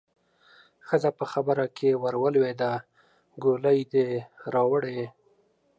ښځه په خبره کې ورولوېده: ګولۍ دې راوړې؟